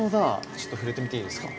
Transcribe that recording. ちょっと触れてみていいですか？